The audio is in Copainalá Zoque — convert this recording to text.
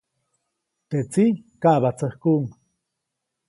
Teʼ tsiʼ kaʼbatsäjkuʼuŋ.